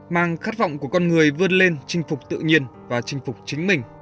mang khát vọng của con người vươn lên chinh phục tự nhiên và chinh phục chính mình